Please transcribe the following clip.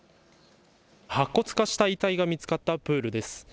白骨化した遺体が見つかったプールです。